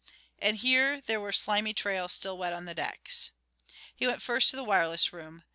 And here there were slimy trails still wet on the decks. He went first to the wireless room.